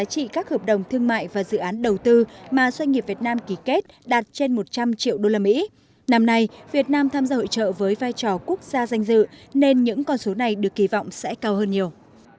hội trợ được kỳ vọng sẽ tạo thêm những doanh nghiệp việt nam tìm kiếm được những thị trường bền vững